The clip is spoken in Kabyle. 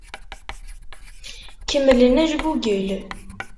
Kemmlem ajgugel.